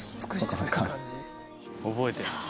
覚えてた。